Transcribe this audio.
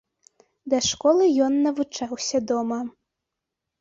Да школы ён навучаўся дома.